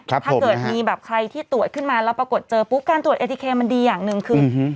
ครับผมนะฮะถ้าเกิดมีแบบใครที่ตรวจขึ้นมาแล้วปรากฏเจอปุ๊บการตรวจมันดีอย่างหนึ่งคืออือฮือ